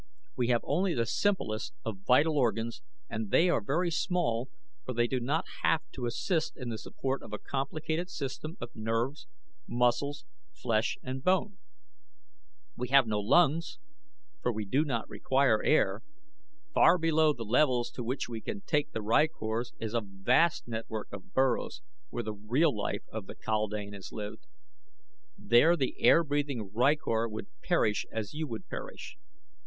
We have only the simplest of vital organs and they are very small for they do not have to assist in the support of a complicated system of nerves, muscles, flesh and bone. We have no lungs, for we do not require air. Far below the levels to which we can take the rykors is a vast network of burrows where the real life of the kaldane is lived. There the air breathing rykor would perish as you would perish.